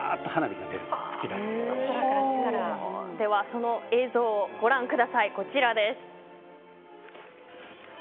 その映像ご覧ください、こちらです。